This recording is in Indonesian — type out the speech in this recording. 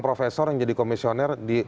profesor yang jadi komisioner di